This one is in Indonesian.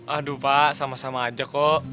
aduh pak sama sama aja kok